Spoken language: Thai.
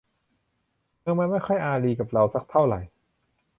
เมืองมันไม่ค่อยอารีกับเราสักเท่าไหร่